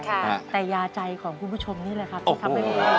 แต่ยาใจของคุณผู้ชมนี่แหละครับ